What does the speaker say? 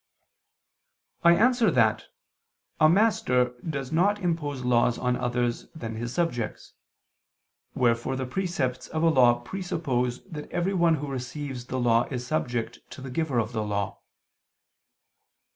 I answer that, A master does not impose laws on others than his subjects; wherefore the precepts of a law presuppose that everyone who receives the law is subject to the giver of the law.